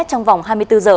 trong vòng hai mươi bốn h